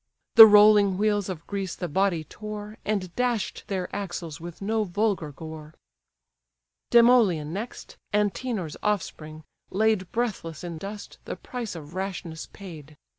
The rolling wheels of Greece the body tore, And dash'd their axles with no vulgar gore. Demoleon next, Antenor's offspring, laid Breathless in dust, the price of rashness paid.